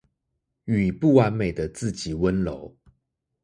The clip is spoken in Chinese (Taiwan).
與不完美的自己溫柔